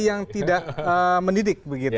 yang tidak mendidik